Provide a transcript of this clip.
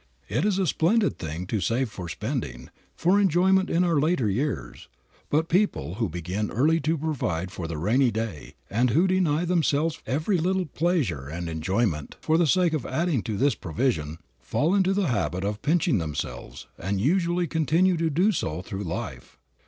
It is a splendid thing to save for spending, for enjoyment in our later years, but people who begin early to provide for the "rainy day," and who deny themselves every little pleasure and enjoyment for the sake of adding to this provision, fall into the habit of pinching themselves, and usually continue to do so through life.